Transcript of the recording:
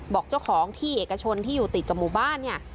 บอกเจ้าของที่เอกชนที่อยู่ติดกับหมู่บ้านเนี่ย